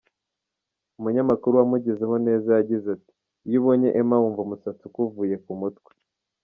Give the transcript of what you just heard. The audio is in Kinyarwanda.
Umunyamakuru wamugezeho neza yagize ati : “Iyo ubonye Emma wumva umusantsi ukuvuye ku mutwe”.